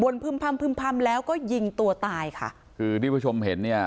พึ่มพำพึ่มพำแล้วก็ยิงตัวตายค่ะคือที่ผู้ชมเห็นเนี่ย